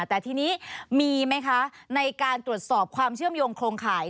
แต่ทีนี้มีไหมคะในการตรวจสอบความเชื่อมโยงโครงข่าย